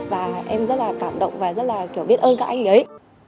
và em rất là cảm động và rất là kiểu biết ơn các anh đấy